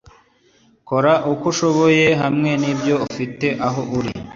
Kora uko ushoboye, hamwe nibyo ufite, aho uri.”